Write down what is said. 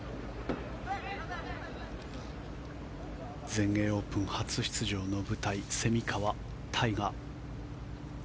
全英オープン初出場の舞台蝉川泰果。